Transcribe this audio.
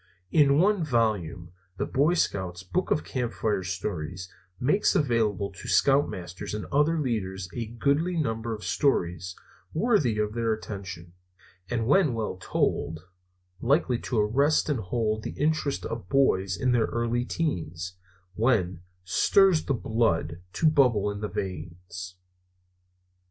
In one volume, the Boy Scouts Book of Campfire Stories makes available to scoutmasters and other leaders a goodly number of stories worthy of their attention, and when well told likely to arrest and hold the interest of boys in their early teens, when "stirs the blood to bubble in the veins."